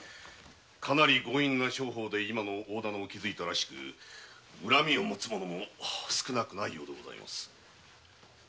かなり強引な商法で今の大店を築いたらしく恨みをもつ者も少なくないようです。